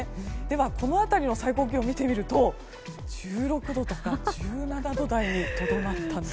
この辺りの最高気温を見てみると１６度とか１７度台にとどまったんです。